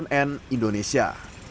tim liputan cnn indonesia